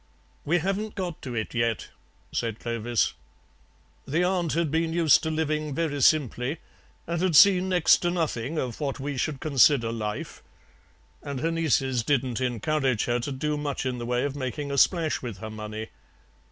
"We haven't got to it yet," said Clovis. "The aunt had been used to living very simply, and had seen next to nothing of what we should consider life, and her nieces didn't encourage her to do much in the way of making a splash with her money.